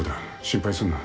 心配するな。